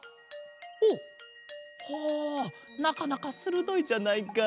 ほうほうなかなかするどいじゃないか。